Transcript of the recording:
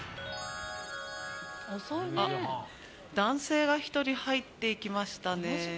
男性が１人、入っていきましたね。